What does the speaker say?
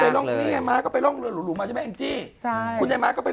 งั้นโรงนี้มาก็ไปลองเหลือหลุมาใช่ไหมที่คุณให้มาก็ไป